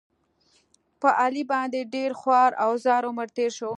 په علي باندې ډېر خوار او زار عمر تېر شو.